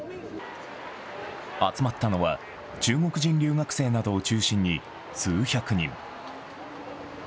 集まったのは中国人留学生などを中心に数百人。